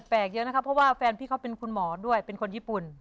พอแปลกเยอะนะคะเพราะว่าแฟนพี่เค้าคุณหมอด้วยเป็นคนญี่ปุ่น